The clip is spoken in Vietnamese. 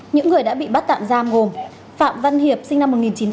những người đã bị bắt tạm giam gồm phạm văn hiệp sinh năm một nghìn chín trăm tám mươi